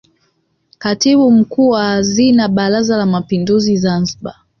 Katibu Mkuu wa Hazina Baraza la Mapinduzi Zanzibar